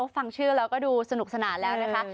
ฟังชื่อแล้วก็ดูสนุกสนานแล้วนะคะ